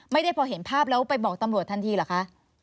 ไม่ได้พอเห็นภาพแล้วไปบอกตำรวจทันทีเหรอคะ